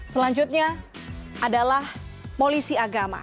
selanjutnya adalah polisi agama